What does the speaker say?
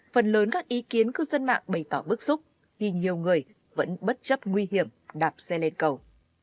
phần lớn các ý kiến cư dân mạng bày tỏ bức xúc vì nhiều người vẫn bất chấp nguy hiểm đạp xe lên cầu